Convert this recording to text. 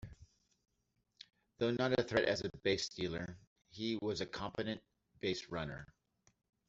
Though not a threat as a base stealer, he was a competent base runner.